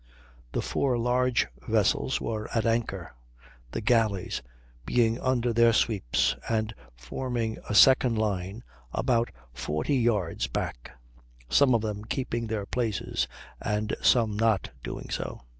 The four large vessels were at anchor; the galleys being under their sweeps and forming a second line about 40 yards back, some of them keeping their places and some not doing so.